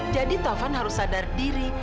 jadi taufan harus sadar diri